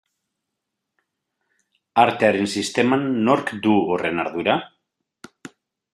Artearen sisteman nork du horren ardura?